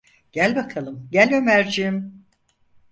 Gel bakalım, gel Ömerciğim…